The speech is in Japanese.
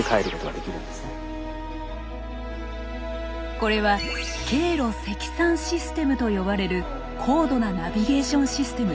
これは「経路積算システム」と呼ばれる高度なナビゲーションシステム。